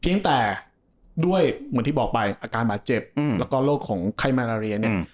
แต่ด้วยเหมือนที่บอกไปอาการบาดเจ็บแล้วก็โรคของไข้มาลาเรียเนี่ย